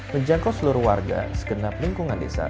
menjangkau seluruh warga segenap lingkungan desa